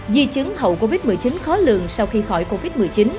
di chứng hậu covid một mươi chín khó lường sau khi khỏi covid một mươi chín